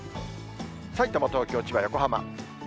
さいたま、東京、千葉、横浜。